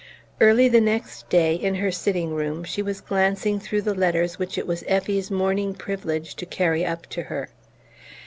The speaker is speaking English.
Early the next day, in her sitting room, she was glancing through the letters which it was Effie's morning privilege to carry up to her.